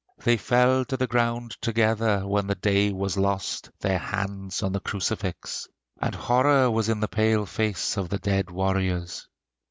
They fell to the ground together when the day was lost, their hands on the crucifix. And horror was in the pale face of the dead warriors."